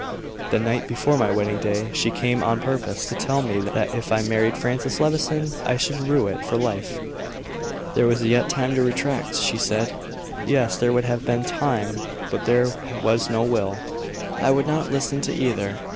The night before my wedding day, she came on purpose to tell me that if I married Francis Levison I should rue it for life. There was yet time to retract she said. Yes; there would have been time; but there was no will. I would not listen to either.